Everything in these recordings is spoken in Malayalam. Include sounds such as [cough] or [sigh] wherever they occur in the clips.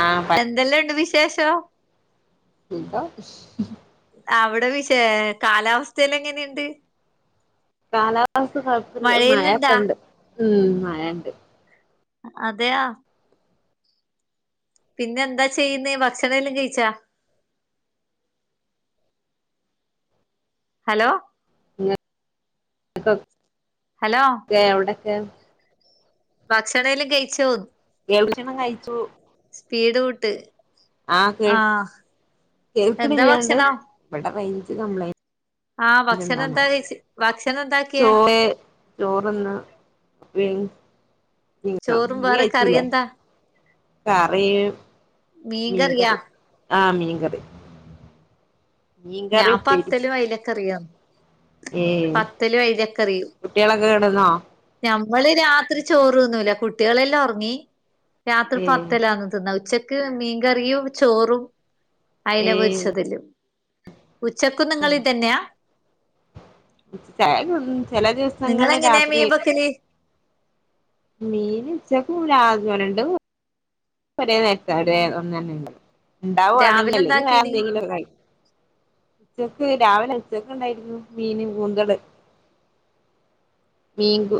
ആ പ എന്തെല്ലാം ഇണ്ട് വിശേഷം സുഖം അവിടെ വിഷേ കാലാവസ്ഥല്ലാം എങ്ങനെണ്ട് കാലാവസ്ഥ കൊഴപ്പില്ല മഴയെല്ലാംണ്ടാ മഴക്കണ്ട് ഉം മഴണ്ട് അതെയാ പിന്നെ എന്താ ചെയ്യ്ന്നേ ഭക്ഷണ എല്ലാം കയ്ച്ചാ ഹലോ [unintelligible] ഹലോ എവടൊക്കെ ഭക്ഷണല്ലു കഴിച്ചോ [unintelligible] കഴിച്ചു സ്പീഡ്കൂട്ട് ആഹ് കേ എന്താ കേൾക്കിണില്ലാണ്ട് ഭക്ഷണം ഇവടെ റേഞ്ച് കംപ്ലൈ ആഹ് ഭക്ഷണം എന്താ കഴിച്ച് ഭക്ഷണം എന്താ ചോ [unintelligible] ചോർന്ന് വ പിന്നം ചോറും നീ വേറെ കറി കഴിച്ചില്ലേ എന്താ കറി മീൻ കറിയാ മീങ്കറി ആ മീങ്കറി ഞാ ഉപ്പേരി പത്തലും അയ്ലകറിയാന്ന് ഏഹ് പത്തലും അയ്ലക്കറി കുട്ടികളൊക്കെ കിടന്നോ ഞമ്മള് രാത്രി ചോർന്നൂലകുട്ടിളെല്ലാം ഒറങ്ങി രാത്രി ഏഹ് പത്തലാന്ന് തിന്ന ഉച്ചക്ക് മീങ്കറിയും ചോറും അയ്‌ലപൊരിച്ചതിലും ഉച്ചക്കു നിങ്ങൾ ഇതെന്നാ [unintelligible] ചലേദിവസങ്ങൾ രാത്രി വെക്ക്ൽ മീൻ ച്ചക്കും രാ രണ്ടും ഒരേ നേരത്ത ഒരേ ഒന്നന്നേ ഇണ്ടാവാണെങ്കിൽ രാവിലെ അല്ലെങ്കിൽ വേറെ എന്താക്കീന് എന്തെങ്കിലും കഴ ഉച്ചക്ക് രാവിലെ ഉച്ചക്ക്ണ്ടായിര്ന്നു മീന് കൂന്തള് മീങ്കു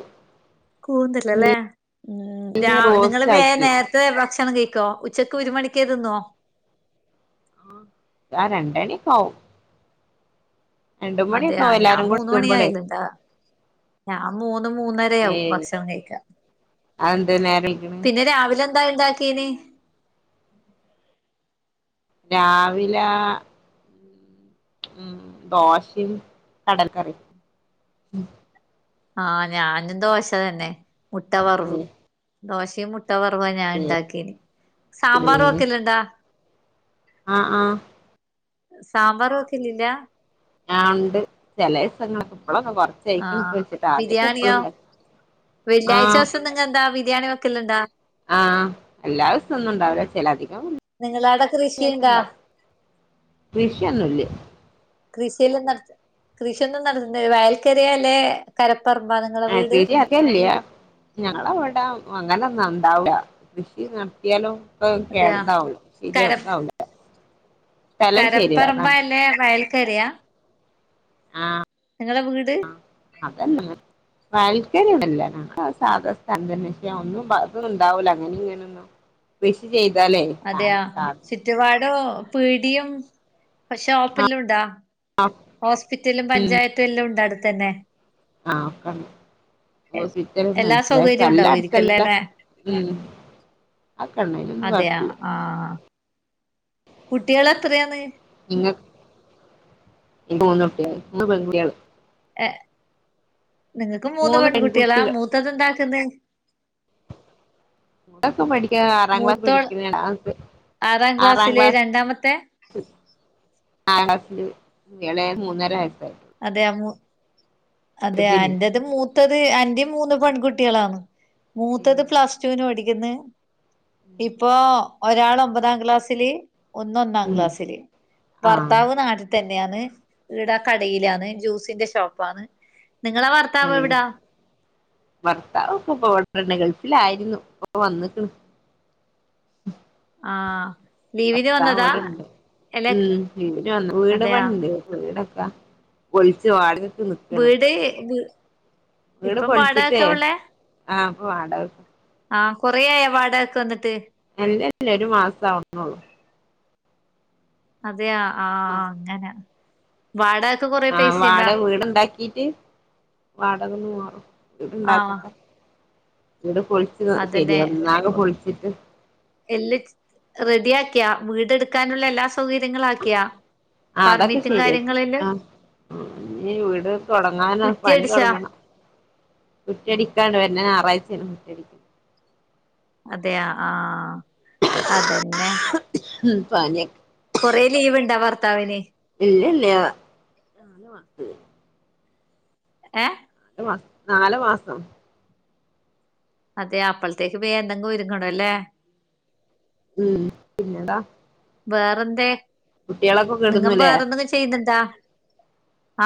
കൂന്തല ല്ലേ മ് രാ മീന് നിങ്ങള് റോസ്റ്റ് വേ ആക്കിയതാ നേര് ത്തെ ഭക്ഷണം കഴിക്കോ ഉച്ചക്ക് ഒര് മണിക്കേ ത്ത്ന്നോ ആഹ് ആ രണ്ടണിക്കാവും മണിയൊക്കെ അതെയ ആവും ഞാൻ എല്ലാരും കൂടെ മൂന്നണി എത്തുമ്പളേ ആയല്ണ്ടാ ഞാം മൂന്ന് മൂന്നരയാവും ഭക്ഷണം കഴിക്ക അതെന്തേ നേരം യ്ക്ണ് ന്താ ണ്ടാക്കീനി രാവിലാ മ് ദോഷിം കടല കറിം ആഹ് ഞാനും ദോശ തന്നെ മുട്ട വർവ് ഉം ദോശീമ് മു മുട്ടവർവുആ ഞാന് ണ്ടാക്കീനെ സാമ്പാറ് വെക്കല്ണ്ടാ ആഹ് ആഹ് സാമ്പാറ് വെക്കലില്ലാ ആഹ് ണ്ട് ചെലീസങ്ങളിലൊക്കെ പ്പളൊക്കെ കൊർ ആഹ് ബിര്യാണിയോ ആ വെള്ളിയാഴ്ച ദിവസം നിങ്ങളെന്താ ബിര്യാണി വക്കല്ണ്ടാ ആഹ് എല്ലാ ദെവസൊന്നു ണ്ടാവൂല് ചെലധികം നിങ്ങളാടെ കൃഷിയുണ്ടാ വെള്ള്യായ്ച്ചണ്ടാവും കൃഷ്യന്നുല്ലേ കൃഷിയല്ലാം നട കൃഷിയൊന്നും നടത്തണ്ട വയൽക്കരല്ലെ കരപ്പറമ്പ നിങ്ങളെ വീട് ഇല്ലല്ല്യാ ഞങ്ങളവടെ അങ്ങനൊന്നുണ്ടാവൂല കൃഷി നടത്യാലും ഇപ്പ അതെയാ കേടതാവുള്ളൂ ശര്യാ കര താവൂല കരപ്പറമ്പ അതാണ് ല്ലേ വയൽക്കരയാ ആഹ് നിങ്ങളെ വീട് അതന്നെ വയൽകരെന്നുല്ല സാധാ സ്ഥലം തന്നെ ഒന്നും തൊന്നു ണ്ടാവൂല അങ്ങനെ ഇങ്ങനൊന്നും കൃഷി ചെയ്താലേയ് അതേയോ ചുറ്റുപാടും പീടിയും ഷോപ്പെല്ലാ ണ്ടോ ഹോസ്പിറ്റലും പഞ്ചായത്തും എല്ലണ്ടോ അട്ത്തന്നെ ആഹ് ഒക്കണ്ട് ഹോസ്പിറ്റല് എല്ലാ മനസിലായ സൗകര്യവും ഉണ്ടാവുമായിരിക്കുംല്ലേ നല്ലട്ത്തല്ല അല്ലെ മ് ആവൊക്കെണ്ടയ്ലൊന്നും അതെയ കൊയപ്പല്ല. ആഹ് കുട്ട്യാളെത്രാന്ന് നിങ്ങ മൂന്നുട്ട്യാള് മൂന്ന് പെങ്കുട്ട്യാ ള് ഏ നിങ്ങക്കും മൂന്ന് പെങ്കുട്ട്യാളാ മൂത്തതെന്താക്ക്ന്നേ ക്കെ പഠിക്കാ ആറാം ക്ലാസ് മൂത്തോൾ പഠിക്കുന്ന ആറാം ക്ലാസ്സില് ക്ലാസ് രണ്ടാമത്തെ ആ എളേത് മൂന്നര വയസായി അതെയ അതെയ ചെറുതിന് എന്റത് മൂ മൂത്തത് എന്റീം മൂന്ന് പെങ്കുട്ട്യാളാണ് മൂത്തത് പ്ലസ് ട്ടുവിന് പഠിക്കുന്ന് ഇപ്പൊ ഒരാള് ഒമ്പതാം ക്ലാസ്സില് ഒന്ന് ഒന്നാം ഉം ക്ലാസ്സില് ആഹ് ഭർത്താവ് നാട്ടി തന്നേണ് ഇവടെ കടീലാന്ന് ജൂസിന്റെ ഷോപ്പാന്ന് നിങ്ങളെ ഭർ ഭർത്താവ് ഇപ്പവടന്നെ ഗൾഫിലായിരുന്നു ഇപ്പ വന്ന്ക്ക്ണ് ആഹ് ലീവിന് ഭർത്താവ് വന്നതാ വടെണ്ട് എല്ല മ് ഇര്ന്ന് വീട് അതെയാ പണി വീടൊക്കാ പൊളിച്ചു വാടകക്ക് നിക്കണ ഇപ്പ വീട് വീട് ഇപ്പം വാടകക്കാ പൊളിച്ചിട്ടേ ആഹ് പോ ആട ആഹ കൊറയ വാടകൊക്കെ വന്നിട്ട് അല്ലല്ല ഒരു മാസം ആവുന്നുള്ളു അതെയ ആ അങ്ങനെ വാടകക്കെ കൊറ ആഹ് വാട വീടുണ്ടാക്കീട്ട് വാടകന്ന് മാറും ആഹ് ഇത്ണ്ടാക്കട്ടെ ഇീടെ പൊളിച്ച ശെരിയാ ഒന്നകെ പൊളിച്ചിട്ട് എല്ല റെഡി ആക്കിയാ വീടെടുക്കാനുള്ള എല്ലാ സൗകര്യങ്ങള ആക്കിയാ ആ അതൊക്കെ ശരിയാക്കി ആ ഇ വീട് തുടങ്ങാന കുറ്റി പണി അടിച്ചാ തുടങ്ങണം കുറ്റിയടിക്കാണ്ണ്ട് വര ഞായാഴ്ചയാണ് കുറ്റടിക്ക അതെയ ആഹ അതെന്നെ ഉ പഞ്ഞ കൊറെ ലീവ് ഉണ്ടാ ഭർത്താവിന് ഇല്ല ഇല്ലഞ ഏ ന [unintelligible] മാ നല് മാസം അതെ അപ്പൾത്തേക്ക് വേ എന്തെങ്കും ഒരുങ്ങണോ അല്ലേ ഉം പിന്നെടാ വേറെന്ത നിങ്ങ കെടുന്നുല്ലേ ബേറെന്തെങ്കും ചെയ്യുന്നുണ്ടാ?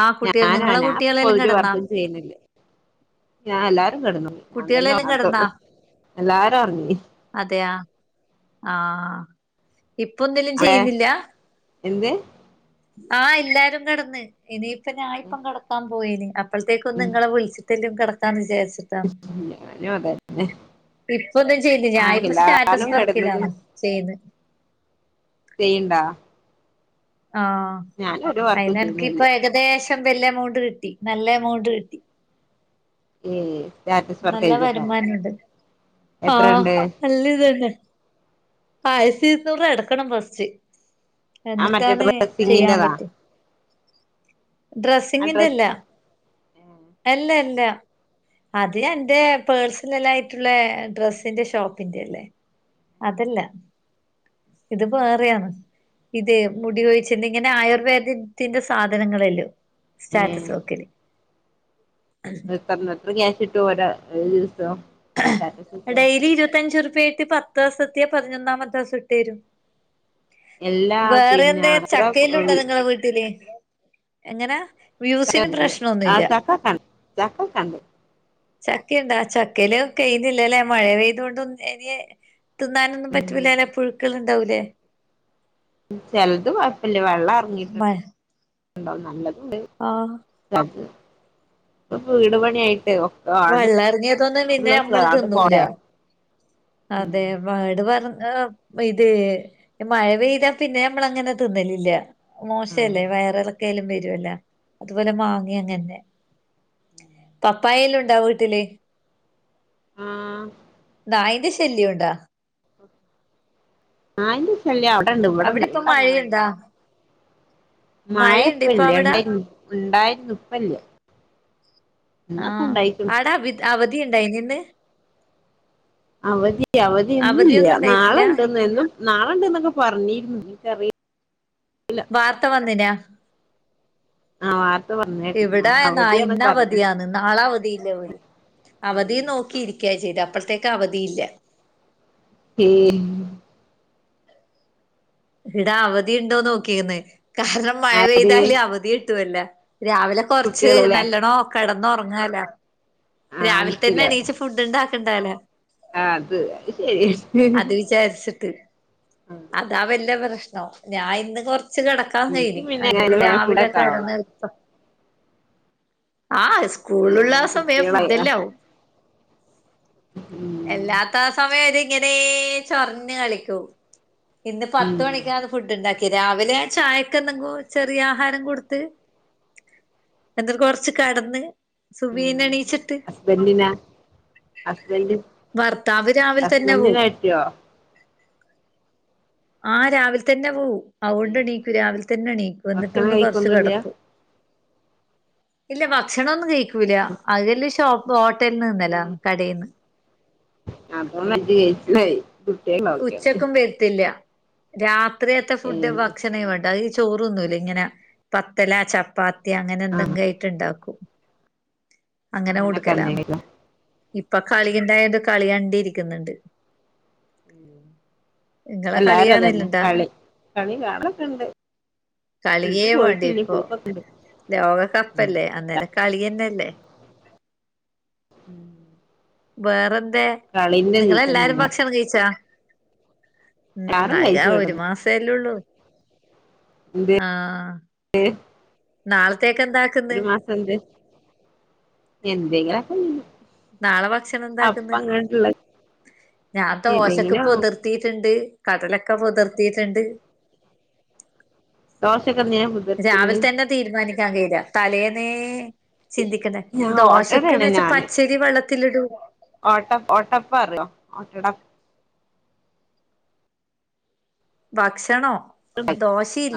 ആഹ് കുട്ടികൾ ഞാനാ നിങ്ങളെ ഞപ്പോ കുട്ടികളെല്ലാം രു കിടന്നാ വർക്കും ചെയ്യുന്നില്ല ഞാൻ എല്ലാരും കിടന്നു ഞാൻ തന്നെ [unintelligible] കുട്ടികളെല്ലാം വാർത്ത എല്ലാരും ഒറങ്ങി അതെയ ആഹ് ഇപ്പൊന്തേലും ചെയ്യുന്നില്ല എന്തേ ആഹ എല്ലാരും കിടന്ന് ഇനിയിപ്പ ഞാൻ ഇപ്പം കിടക്കാൻ പോയിയനി അപ്പോൾത്തേക്ക് ഒന്ന് ഉം നിങ്ങളെ വിളിച്ചി ലും കിടക്കാന്ന് വിചാരിച്ച് ഞാനും അതെന്നേ ഇപ്പൊന്നും ചെയ്യുന്നു ഞാന ഇപ്പോ സ്റ്റാറ്റസ് കിടന്ന് വർക്കിലാണ് ചെയ്യുത് ചെയ്യണ്ടാ ആഹ് ഞാനൊരു വർക്കും അതിൽ ചെയ്യുന്നില്ല എനക്കീപ്പോ ഏകദേശം വലിയ എമൗണ്ട് കിട്ടി നല്ല എമൗണ്ട് കിട്ടി ഏയ് സ്റ്റാറ്റസ് വർക്ക് നല്ല യിതിട്ടോ?. വരുമാനണ്ട് ആഹ് നല്ല ത് ന്നെ ആയിര്ത്തീരുന്നുറ്പഎടക്കണം ഫസ്റ്റ്. ആ മറ്റേ എന്നിട്ടാന്ന് ചെയ്യാൻ ഡ്രസ്സിങ്ങിന്റെതാ പറ്റ ആ ഡ്രസ്സിങ്ങിന്റെല്ല ഡ്രസ്സാ അല്ല അല്ല അതീനേന്റെ പേഴ്സീലല്ലിയിട്ടുള്ള ഡ്രസ്സിന്റെ ഷോപ്പിന്റെ അല്ലേ അതല്ല ഇത് വേറെയാണ് ഇതേ മുടി ഒഴിച്ചെന്നെ ഇങ്ങനെ ആയുർവേദത്തിന്റെ സാധനങ്ങളല്ലോം സ്റ്റാറ്റസ് വക്കില് എത്ര എത്ര ക്യാഷ് ഇട്ടു ഒര രിവസം ഡെയിലി ഇരുപത്തയഞ്ച റുപായിട്ട് പത്ത് ദിവസ എത്തിയാ പതിനൊന്നാമത്തെ ദിവസം ഇട്ട് തരും എല്ലാ വേറെ പിന്നെ എന്തേ അത്ര ചക്കയിലുണ്ടോ നിങ്ങളെ വീട്ടില് എങ്ങനാ? വ്യൂസിന് [unintelligible] ആ പ്രശ്നൊന്നുല്ല ചക്ക ക ചക്ക കണ്ട് ചക്കുണ്ടാ ചക്കൽ കെയുന്നില്ലല്ലേ മഴ പെയ്തൊണ്ട് ഇനീ തിന്നാനൊന്നും ഉം പറ്റൂല്ല ല്ലെ പുഴുക്കൾ ഉണ്ടാവൂലേ? ചെലത് കൊഴപ്പില്ല വെള്ളം മ ഇറങ്ങിയിട്ടുണ്ടും നല്ലതുണ്ട് ആഹ് [unintelligible] വീട് പണിയായിട്ട്ച വള്ളറങ്ങിയതൊന്ന പിന്നെ നമ്മള് തിന്നൂല പോടെ ഉം അതെ വാട് പറ [unintelligible] ഇത് മഴ പെയ്താ പിന്നെ നമ്മള അങ്ങനെ തിന്നലില്ല ആ മോശല്ലേ വയറിലൊക്കെ ആലും വരുവല്ല അതുപോലെ മാങ്ങി അങ്ങന്നെ പപ്പായെല്ലാം ഉണ്ടാവ് വീട്ടില് ഉം.. നായിന്റെ ശല്യംണ്ടോ? നായീന്റേ ശല്യംഅവിടെണ്ട് അവിടെ ഇവിടെണ്ട് ഇപ്പ ഇവിടെ മഴയുണ്ടാ അങ്ങനൊന്നുംല്ല മായ മഴയുണ്ട് ഇപ്പൊ ഇപ്പല്ലേ അവിടാ ഉണ്ടായി ഉണ്ടായിരുന്നു ഇപ്പല്ല ഇന്നൊക്കെ ആഹ് ഉണ്ടായിക്കണ് ആടെ അ അവധി ഉണ്ടായിനി ഇന്ന് അവധി അവധി ഇന്നില്ല്യാ അവധിയൊന്നും നാളെ ഉണ്ടായിട്ടില്ല ഉണ്ടന്ന്ം നാളെുണ്ട് ന്നൊക്കെ പറഞ്ഞിരുന്നു എനിക്ക് റീല്ല വാർത്ത വന്നീനാ ആഹ് വാർത്ത പറഞ് എവിടെ നാ ഇന്ന അവധിയന്ന് നാളെ അവധിയില്ലേ ലും അവധിയ നോക്കിയിരി കേചെയ്ത് അപ്പോഴത്തേക്ക് അവധി ഇല്ല ഏഹ് ഇവിട അവധിയ ഉണ്ടോന്ന് നോക്കിന്ന് കാരണം മഴ ആര് പെയ്താല് അവധി കിട്ടുവല്ല രാവിലെ കൊറച്ച് കുട്ടികളല്ലേ നല്ലോണം കിടന്ന ഉറങ്ങലോ ആ രാവിലെ തന്നെ അനക്കില്ലേ എണീച്ച് ഫുഡ് ഉണ്ടാക്കണ്ടാവല്ലോ ആഹ് അത് ശരി ചാരിച്ചിട്ട് അതാ വല പ്രശ്ന ഞാൻ ഇന്ന് കൊറ കിട ക്കന്ന് എനിക്ക് കരുതി പിന്നെ എന്നിട്ട് എങ്ങനെ ഫുഡൊക്കെ രാവിലെക്കെ ഇടന്ന് ആവണം എത്ത ആഹ് ഏ സ്കൂളുള്ളാ സമയം കുട്ടികളായി പോവും ഉം എല്ലാത്ത സമയം ര് ഇങ്ങനെ ചൊറിഞ്ഞ് കളിക്കും ഇന്ന് പത്ത് ഉം മണിക്കാണ് ഫുഡ് ഉണ്ടാക്കി രാവിലെ ചായക്ക എന്തെങ്കും ചെറിയ ആഹാരം കൊടുത്ത് എന്നട്ട കൊറച്ച് കടന്ന് സുബീന എണീച്ചി ഹസ്ബൻറിന ഹസ്ബൻഡ ഭർത്താവ് രാവിലെ തന്നെ ഹസ്ബൻറിന് പോവും കിട്ടിയോ ആഹ് രാവിലെ തന്നെ പോവും അതുകൊണ്ട്ണീക്കൂ രാവിലെ തന്നെണീക്കൂ എന്നിട്ട് ഭക്ഷണം ഒന്ന് കൊറച്ച് കഴിക്കൊന്നുല്ല കിടക്കൂ ഇല്ല ഭക്ഷണൊന്നും കഴിക്കൂല അതല് ഷോപ്പ് ബോട്ടല നിന്നല്ല കടയിൽ നിന്ന് അതൊ കയിച്ചായി [inaudible] ഉച്ചക്കും വരുത്തില്ല രാത്രിയത്തെ ഏ ഫുഡ് ഭക്ഷണെ വേണ്ടു അ ചോറൊന്നല്ല ഇങ്ങനെ പത്തല ചപ്പാത്തി യ അങ്ങനെ ആഹ് എന്തെങ്ക ട്ടുണ്ടാക്ക അങ്ങനെ അങ്ങനെയൊക്കെ കൊടുക്കലന്ന് തന്നെയാണല്ലോ ഇപ്പൊ കളിണ്ടായണ്ട് കളി കണ്ടി ഇരിക്കുന്നുണ്ട് ഉം ഇങ്ങളെ എല്ലാരും അതന്നെ കളിയാണല്ണ്ടാ കളി കളി കാളൊക്കെ ഇണ്ട് കളിയേ വേണ്ടി ഇപ്പൊ ലോകകപ്പല്ലേ അല്ല അന്നേരം കളിന്നെല്ലേ ഉം വേറെന്തേ ഇതി നിങ്ങളെല്ലാരും തന്നെയാണ് ഭക്ഷണം കഴിച്ചാ ഉം എല്ലാരും അഴ കഴിച്ചു ഒരു കിടന്നു മാസേല്ലള്ളൂ ആഹ് ഏ നാളത്തേക്ക് എന്താ ഒരു മാസം എന്ത എന്തെങ്കിലക്കെ നാളെ ഭക്ഷണം എന്താക്കന്ന് ഞാൻ ദോശക്കെ ഏതെങ്കിലും പൊതിർ ത്തിയിട്ടുണ്ട് കടലൊക്കെ പുതിർത്തിയിട്ടുണ്ട് ദോശെക്കന രാവിലെ തന്നെ തീരുമാനിക്കാൻ കഴിയ തലേന്നെ ചിന്തിക്കണ്ടേ ഞാൻ ഓട്ടടയാണ് ദോശക്കന്ന് വെച്ചാ ഞാന് പച്ചരി വെള്ളത്തിലിടുവാ ഓട്ട ഓട്ടപ്പ അറിയോ ഓട്ടട ഭക്ഷണോ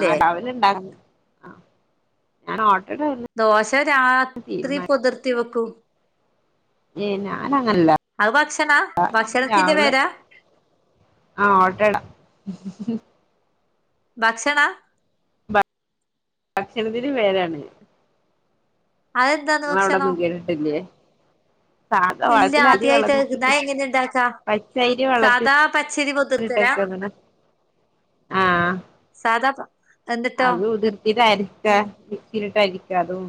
ആഹ് രാവിലണ്ട ആഹ് ഞൻ ഓട്ടട അല്ല ദോശ രാത്രി പൊതിർത്തി വെക്കും ഏയ് ഞാന അങ്ങനല്ല അത് ഭക്ഷണ ഭക്ഷണത്തിന്റെ പേരാ ആഹ് ഓട്ടട ഭക്ഷണ ഭക്ഷണത്തിന് പേരാണ് അതെന്താന്ന് ങ്ങള അവിടൊന്നും ഭക്ഷണം കേട്ടിട്ടില്ലേ സാധ ഇല്ല വളത്തി അരി ആദ്യായിട്ട് കേക്കുന്ന് വെള്ളത്തിട്ടിട്ട് അത് എങ്ങനെ ഇണ്ടാക്കാ പച്ചരി സാദാ പച്ചരി പൊതിർത്തലാ വളത്തിട്ടക്കന ആഹ് സാധപ്പ അത് ഉതിർത്തിട്ട അരിക്ക മിക്സീൽ ഇട്ട് അടയ്ക്ക അതും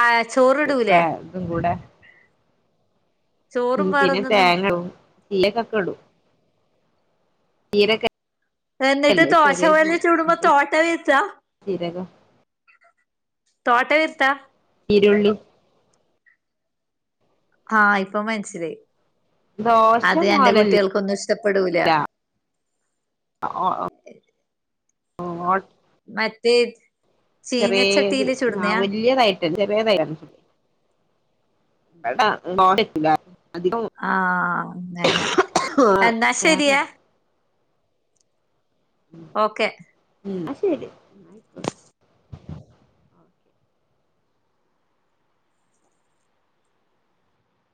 ആ വേ ചോറിടൂലേ ഇതും കൂടെ ഉം ചോറും പിന്നെ വേറൊന്നിന്നും തേങ്ങടും ചില്ല കക്ക ഇടും തീരക്കെ എന്നിട്ട് ദോശ വല ചൂടുമ്പോ തോട്ട വീച്ച ജീരകം തോട്ട ഇർത്ത ചിരുള്ളി ആഹ ഇപ്പൊ മനസ്സിലായി ദോശ അത് എന്റെ പോലല്ല കുട്ടികൾക്കൊന്നും ഇഷ്ടപ്പെടൂല. ആഹ ആ മറ്റേ ചെറിയത് ചീനച്ചട്ടിയില് ആ ചുടുന്നയാ വലിയതായിട്ട് ഏട്ടാ ആഹ അങ്ങനെ എന്നാ വേറെ ശരിയെ. ഓക്കെ. ഉം എന്ന ശെരി.